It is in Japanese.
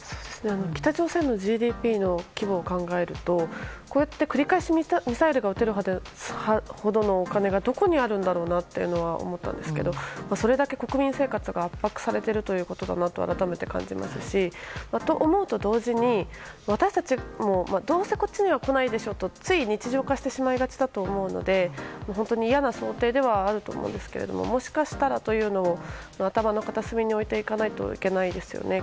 北朝鮮のＧＤＰの規模を考えるとこうやって繰り返しミサイルが撃てるほどのお金がどこにあるんだろうなって思ったんですけどそれだけ国民生活が圧迫されているんだなと改めて感じますしと思うと同時に私たちもどうせこっちには来ないでしょうとつい日常化してしまいがちなので本当に嫌な想定ではあると思うんですけどもしかしたらというのを頭の片隅に置いておかないといけないですよね。